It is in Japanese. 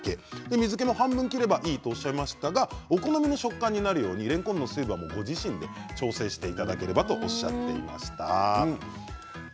水けも半分、切ればいいということですがお好みの食感になるようれんこんの水分はご自身で調節していただければとおっしゃっていました。